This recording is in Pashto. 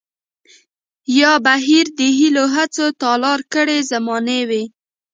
يا بهير د هيلو هڅو تالا کړے زمانې وي